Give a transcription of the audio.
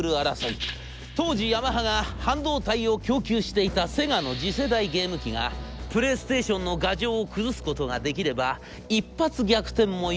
当時ヤマハが半導体を供給していたセガの次世代ゲーム機がプレイステーションの牙城を崩すことができれば一発逆転も夢ではない！